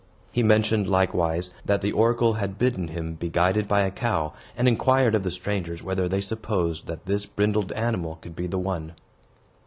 He mentioned, likewise, that the oracle had bidden him be guided by a cow, and inquired of the strangers whether they supposed that this brindled animal could be the one.